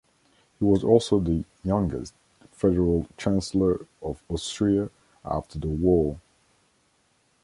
He was also the youngest Federal Chancellor of Austria after the war.